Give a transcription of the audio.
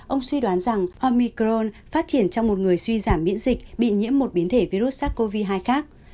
ông suy đoán rằng omicron phát triển trong một người suy giảm miễn dịch bị nhiễm một biến thể virus sars cov hai khác